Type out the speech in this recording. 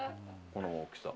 この大きさ。